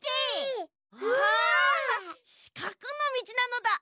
しかくのみちなのだ。